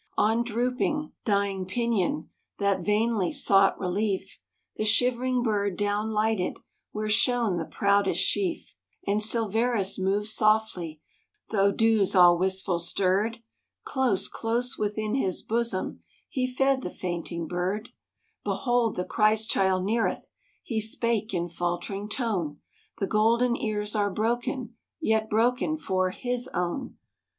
On drooping, dying pinion That vainly sought relief, The shivering bird down lighted Where shone the proudest sheaf; And Silverus moved softly, Though dews all wistful stirred, Close, close within his bosom He fed the fainting bird: "Behold the Christ child neareth!" He spake in faltering tone, "The golden ears are broken, Yet broken for His own."